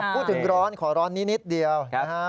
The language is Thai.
พูดถึงร้อนขอร้อนนิดเดียวนะครับ